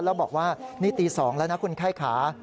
แล้วบอกว่านี่ตี๒แล้วนะคุณไข้ขา